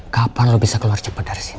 kapan lo bisa keluar cepat dari sini